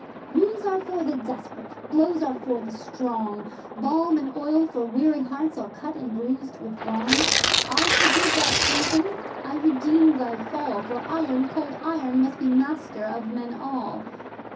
'Wounds are for the desperate, blows are for the strong, Balm and oil for weary hearts all cut and bruised with wrong. I forgive thy treason I redeem thy fall For Iron Cold Iron must be master of men all!